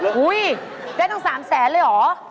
หุ้ยได้ตั้ง๓๐๐๐๐๐เลยหรือ